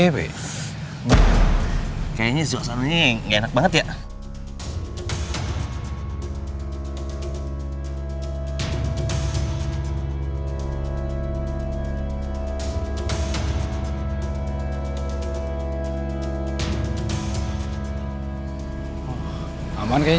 bayi yang ada di dalam kandungan bu lady tidak bisa diselamatkan